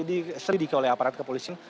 disedihkan oleh aparat kepolisian